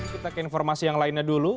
kita ke informasi yang lainnya dulu